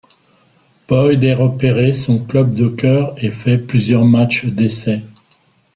Boyd est repéré son club de cœur et fait plusieurs matchs d'essais.